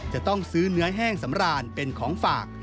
จะต้องซื้อเนื้อแห้งสำราญเป็นของฝาก